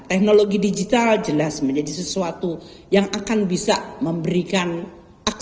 teknologi digital jelas menjadi sesuatu yang akan bisa memberikan akselerasi dari berbagai pembangunan